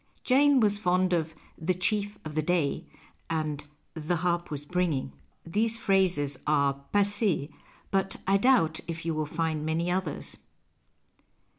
Jane was fond of " the chief of the day " and " the harp was bringing." These phrases are passees, but I doubt if you will find many others.